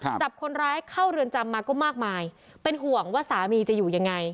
จับคนร้ายเข้าเรือนจำมาก็มากมายเป็นห่วงว่าสามีจะอยู่ยังไง